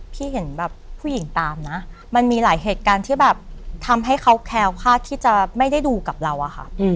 พี่เห็นแบบผู้หญิงตามนะมันมีหลายเหตุการณ์ที่แบบทำให้เขาแคล้วคาดที่จะไม่ได้ดูกับเราอะค่ะ